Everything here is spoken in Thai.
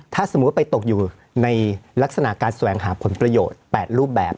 ถ้าสมมุติว่าไปตกอยู่ในลักษณะการแสวงหาผลประโยชน์๘รูปแบบ